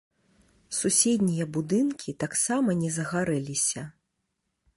Суседнія будынкі таксама не загарэліся.